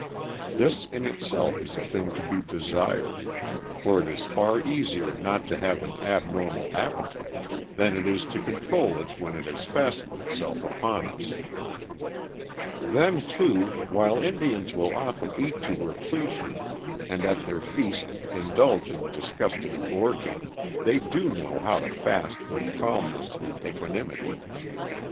This in itself is a thing to be desired, for it is far easier not to have an abnormal appetite than it is to control it when it has fastened itself upon us. Then, too, while Indians will often eat to repletion, and at their feasts indulge in disgusting gorging, they do know how to fast with calmness and equanimity.